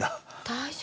大丈夫？